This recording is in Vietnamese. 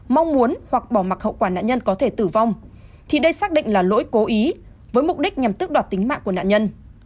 mong muốn hoặc bỏ mặc hậu quả nạn nhân có thể tử vong thì đây xác định là lỗi cố ý với mục đích nhằm tước đoạt tính mạng của nạn nhân